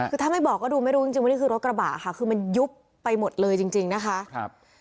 คือถ้าไม่บอกก็ดูไม่รู้จริงว่านี่คือรถกระบะค่ะคือมันยุบไปหมดเลยจริงนะคะ